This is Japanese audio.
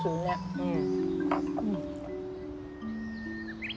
うん。